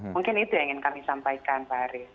mungkin itu yang ingin kami sampaikan pak arief